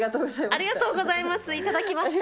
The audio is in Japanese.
ありがとうございます。